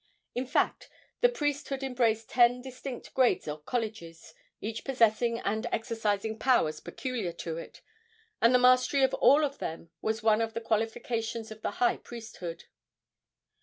In fact, the priesthood embraced ten distinct grades or colleges, each possessing and exercising powers peculiar to it, and the mastery of all of them was one of the qualifications of the high priesthood.